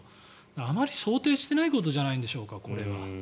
あまり想定していないことじゃないでしょうか、これは。